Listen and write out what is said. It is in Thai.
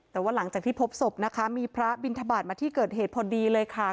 แต่ว่าหลังจากที่พบศพนะคะมีพระบินทบาทมาที่เกิดเหตุพอดีเลยค่ะ